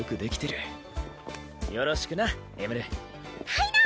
はいな！